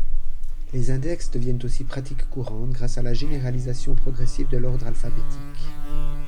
Les index deviennent aussi pratique courante, grâce à la généralisation progressive de l'ordre alphabétique.